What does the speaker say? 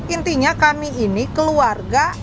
intinya kami ini keluarga